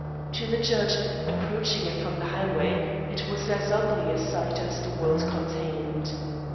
To the judge, approaching it from the highway, it was as ugly a sight as the world contained.